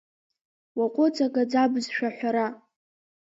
Уаҟәыҵ агаӡа бызшәа аҳәара!